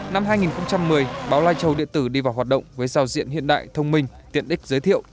năm hai nghìn một mươi báo lai châu điện tử đi vào hoạt động với sao diện hiện đại thông minh tiện đích giới thiệu